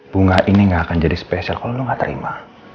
bunga ini gak akan jadi spesial kalau lo gak terima